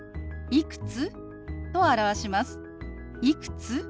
「いくつ？」。